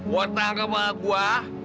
gua tanggal banget gua